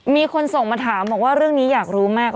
มีคนส่งมาถามบอกว่าเรื่องนี้อยากรู้มาก